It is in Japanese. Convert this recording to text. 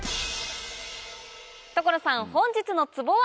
所さん本日のツボは？